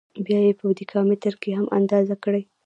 بیا یې په دېکا متره کې هم اندازه کړئ.